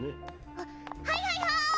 あはいはいはい！